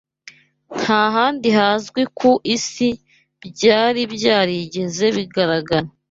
nta handi hazwi ku isi byari byarigeze bigaragara”